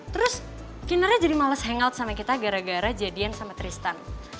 terus kinerja jadi males hangout sama kita gara gara jadian sama tristan